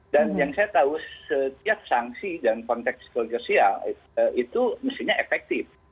dan yang saya tahu setiap sanksi dan konteks kesejahteraan itu mestinya efektif